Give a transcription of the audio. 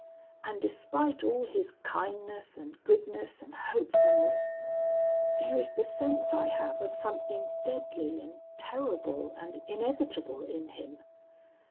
And despite all his kindness and goodness and hopefulness, there is the sense I have of something deadly and terrible and inevitable in him.